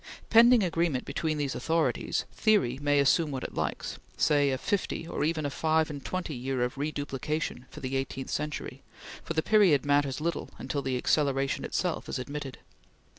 Pending agreement between these authorities, theory may assume what it likes say a fifty, or even a five and twenty year period of reduplication for the eighteenth century, for the period matters little until the acceleration itself is admitted.